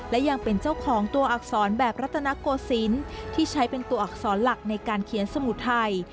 และยังเป็นเจ้าของตัวอักษรแบบรัตนโกศิลป์ที่ใช้เป็นตัวอักษรหลักในการเขียนสมุดไทย